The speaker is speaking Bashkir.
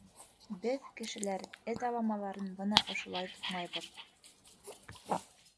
Беҙ, кешеләр, эт аламаларын бына ошолай туҡмайбыҙ.